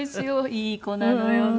いい子なのよね。